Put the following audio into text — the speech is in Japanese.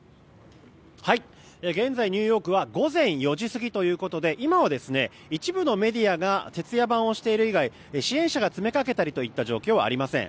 現在、ニューヨークは午前４時過ぎということで今は一部のメディアが徹夜番をしている以外支援者が詰めかけたりといった状況はありません。